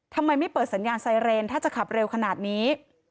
ทำไมไม่เปิดสัญญาณไซเรนถ้าจะขับเร็วขนาดนี้